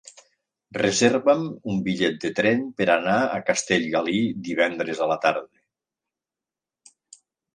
Reserva'm un bitllet de tren per anar a Castellgalí divendres a la tarda.